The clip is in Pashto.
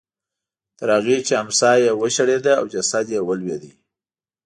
تر هغې چې امسا یې وشړېده او جسد یې ولوېد.